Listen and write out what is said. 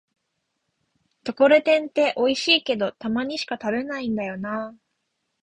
ところてんっておいしいけど、たまにしか食べないんだよなぁ